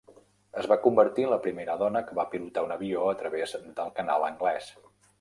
Es va convertir en la primera dona que va pilotar un avió a través del Canal Anglès.